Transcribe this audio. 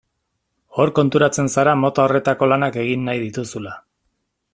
Hor konturatzen zara mota horretako lanak egin nahi dituzula.